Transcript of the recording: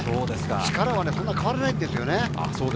力はそんなに変わらないんですよね。